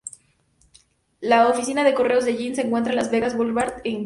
La oficina de correos de Jean se encuentra en Las Vegas Boulevard, en Jean.